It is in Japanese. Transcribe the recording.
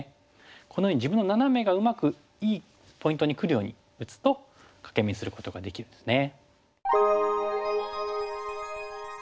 このように自分のナナメがうまくいいポイントにくるように打つと欠け眼にすることができるんですね。